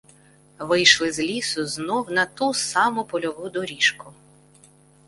Вийшли з лісу знов на ту саму польову доріжку.